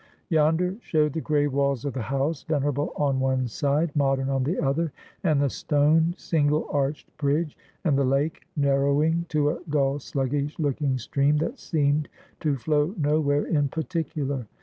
Yonder showed the gray walls of the house, venerable on one side, modern on the other, and the stone single arched bridge, and the lake, narrowing to a dull sluggish looking stream that seemed to flow nowhere in particular.